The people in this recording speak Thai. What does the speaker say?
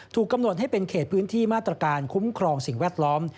กำหนดให้เป็นเขตพื้นที่มาตรการคุ้มครองสิ่งแวดล้อม